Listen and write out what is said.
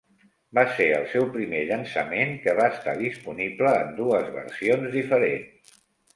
Va ser el seu primer llançament que va estar disponible en dues versions diferents.